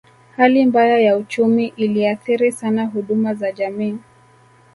Hali mbaya ya uchumi iliathiri sana huduma za jamii